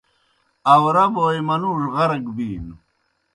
آؤرہ بوئے منُوڙوْ غرق بِینوْ۔